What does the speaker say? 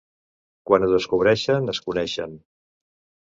Quan ho descobreixen, es coneixen.